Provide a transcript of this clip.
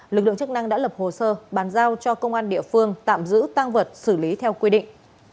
lực lượng chức năng đã lập hồ sơ bàn giao cho công an địa phương tạm giữ tăng vật xử lý theo quy định